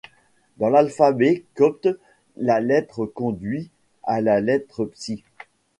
Dans l'alphabet copte, la lettre conduit à la lettre pxi, Ⲯ.